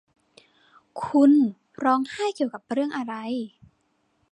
คุณร้องไห้เกี่ยวกับเรื่องอะไร